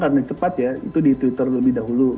karena cepat ya itu di twitter lebih dahulu